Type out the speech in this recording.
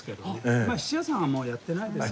質屋さんはもうやってないです。